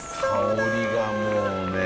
香りがもうねえ。